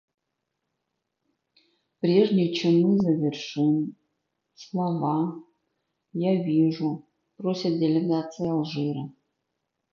Прежде чем мы завершим, слова, я вижу, просит делегация Алжира.